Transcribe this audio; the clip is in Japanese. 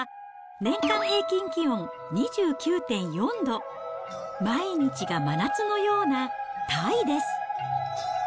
やって来たのは、年間平均気温２９．４度、毎日が真夏のようなタイです。